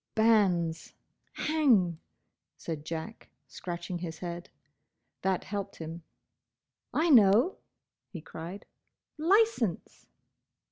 "Banns—! Hang!" said Jack, scratching his head. That helped him. "I know!" he cried, "Licence!"